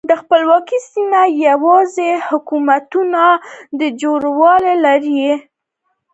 د خپلواکو سیمه ییزو حکومتونو د جوړېدو لارې چارې.